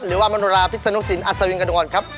หรือว่ามนุราพิษนุกสินอัสวินกระดูกอดครับ